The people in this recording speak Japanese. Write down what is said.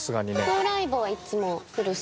風来坊はいっつも来るし。